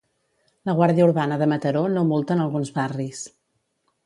La Guàrdia Urbana de Mataró no multa en alguns barris.